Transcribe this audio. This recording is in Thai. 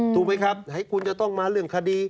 ถูกไหมครับให้คุณจะต้องมาเรื่องคดี